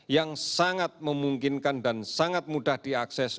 yang sangat memungkinkan dan sangat mudah diakses